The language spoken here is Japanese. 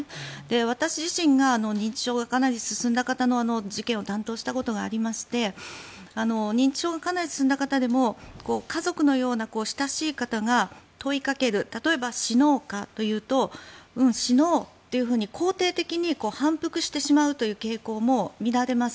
私自身が認知症がかなり進んだ方の事件を担当したことがありまして認知症がかなり進んだ方でも家族のような親しい方が問いかける例えば死のうか？と言うとうん、死のうと肯定的に反復してしまうという傾向も見られます。